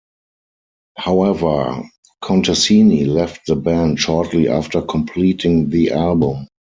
However, Contesini left the band shortly after completing the album.